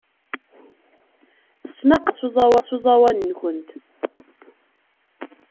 Tettnaqamemt-aɣ s uẓawan-nwent.